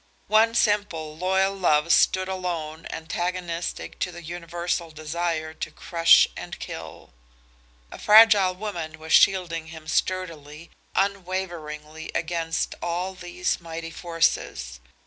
One simple, loyal love stood alone antagonistic to the universal desire to crush and kill. A fragile woman was shielding him sturdily, unwaveringly against all these mighty forces.